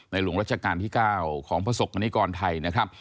ในหลวงราชการที่๙ของพระศพปนิกรไทย